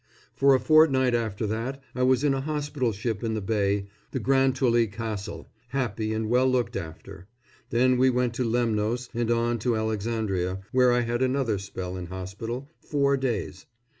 ] For a fortnight after that I was in a hospital ship in the bay, the Grantully Castle, happy and well looked after; then we went to Lemnos and on to Alexandria, where I had another spell in hospital four days.